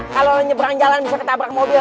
kalau nyebrang jalan bisa ketabrak mobil